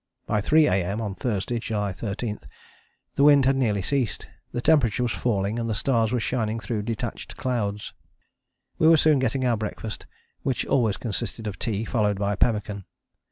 By 3 A.M. on Thursday (July 13) the wind had nearly ceased, the temperature was falling and the stars were shining through detached clouds. We were soon getting our breakfast, which always consisted of tea, followed by pemmican.